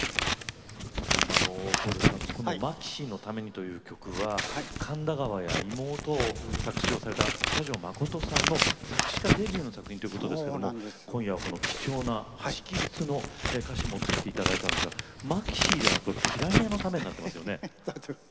こうせつさんこの「マキシーのために」っていう曲は「神田川」や「妹」を作詞された喜多條忠さんの作詞家デビューの作品ですけれども今夜は、この貴重な直筆の歌詞を持ってきていただいたんですが「マキシー」ではなく「ピラニアのために」になってますよね。